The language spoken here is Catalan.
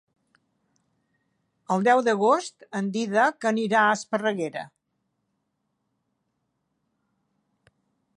El deu d'agost en Dídac anirà a Esparreguera.